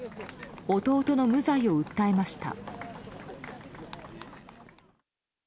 弟の無罪を訴えました。